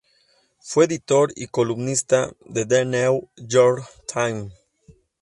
Fue editor y columnista de "The New York Times".